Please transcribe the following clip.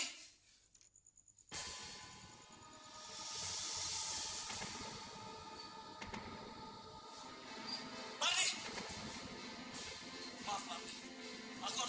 aku harus pergi awal dari kamu